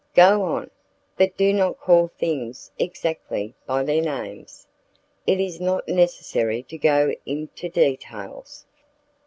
"Go on! But do not call things exactly by their names. It is not necessary to go into details."